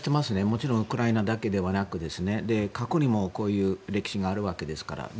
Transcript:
もちろんウクライナだけではなく過去にもこういう歴史があるわけですから。